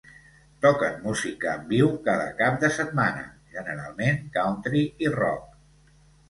Toquen música en viu cada cap de setmana, generalment country i rock.